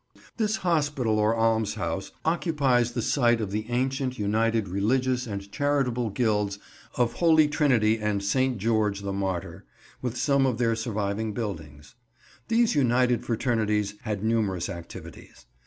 This Hospital or Almshouse occupies the site of the ancient united religious and charitable guilds of Holy Trinity and St. George the Martyr, with some of their surviving buildings. These united fraternities had numerous activities.